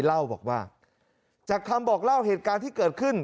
เล่าบอกว่าจากคำบอกเล่าเหตุการณ์ที่เกิดขึ้น